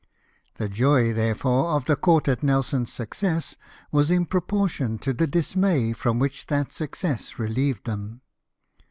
The joy, therefore, of the Court at Nelson's success was in proportion to the dismay from which that success relieved them.